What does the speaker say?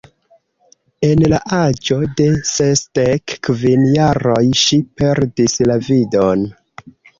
En la aĝo de sesdek kvin jaroj ŝi perdis la vidon.